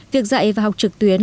việc dạy và học trực tuyến